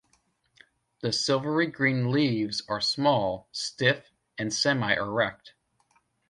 The silvery-green leaves are small, stiff and semi-erect.